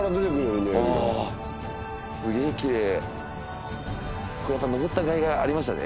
あすげえきれい。